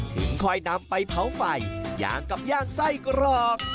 ค่อยนำไปเผาไฟอย่างกับย่างไส้กรอก